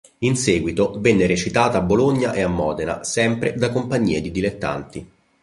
In seguito venne recitata a Bologna e a Modena, sempre da compagnie di dilettanti.